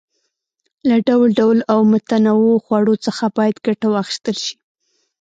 له ډول ډول او متنوعو خوړو څخه باید ګټه واخیستل شي.